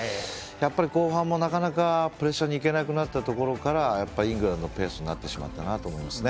後半もなかなかプレッシャーにいけなくなったところからイングランドのペースになってしまったなと思いますね。